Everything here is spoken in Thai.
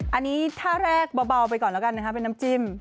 อันนี้ท่าแรกเบาไปก่อนแล้วกันนะคะเป็นน้ำจิ้ม